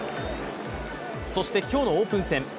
そして、今日のオープン戦。